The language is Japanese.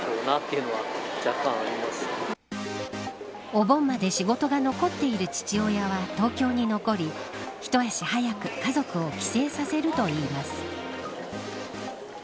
お盆まで仕事が残っている父親は東京に残り一足早く家族を帰省させるといいます。